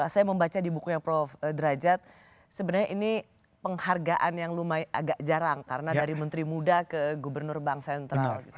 saya membaca di bukunya prof derajat sebenarnya ini penghargaan yang lumayan agak jarang karena dari menteri muda ke gubernur bank sentral